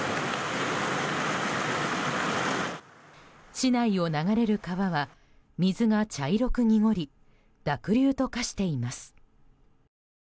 市内を流れる川は水が茶色く濁り濁流と化しています。